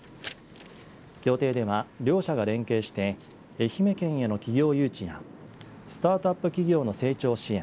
協定では両者が連携して愛媛県への企業誘致やスタートアップ企業の成長支援